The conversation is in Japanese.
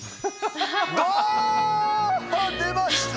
出ました。